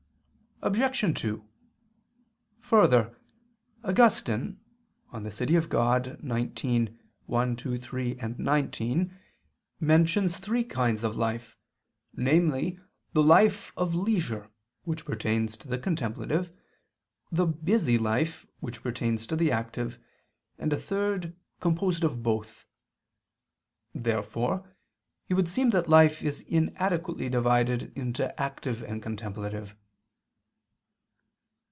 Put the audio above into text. Obj. 2: Further, Augustine (De Civ. Dei xix, 1, 2, 3, 19) mentions three kinds of life, namely the life of "leisure" which pertains to the contemplative, the "busy" life which pertains to the active, and a third "composed of both." Therefore it would seem that life is inadequately divided into active and contemplative.